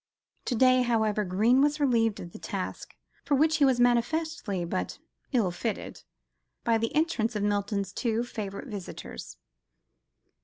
To day, however, Greene was relieved of the task, for which he was manifestly but ill fitted, by the entrance of Milton's two favourite visitors.